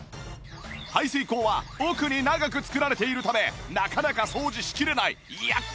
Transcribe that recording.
排水口は奥に長く作られているためなかなか掃除しきれない厄介な場所